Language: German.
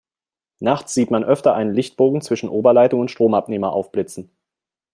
Nachts sieht man öfter einen Lichtbogen zwischen Oberleitung und Stromabnehmer aufblitzen.